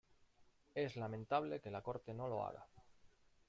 Es lamentable que la Corte no lo haga.